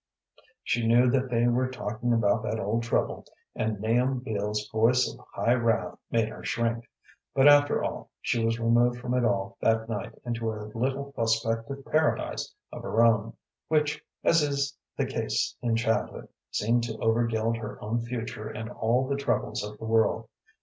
She knew that they were talking about that old trouble, and Nahum Beals's voice of high wrath made her shrink; but, after all, she was removed from it all that night into a little prospective paradise of her own, which, as is the case in childhood, seemed to overgild her own future and all the troubles of the world.